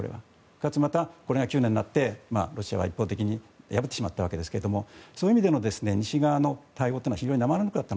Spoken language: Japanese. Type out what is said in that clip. かつ、２００９年になってロシアが一方的に破ってしまったわけですがそういう意味での西側の対応というのは非常に生ぬるかった。